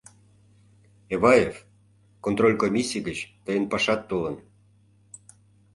— Эваев, контроль комиссий гыч тыйын пашат толын...